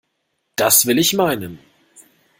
Das will ich meinen!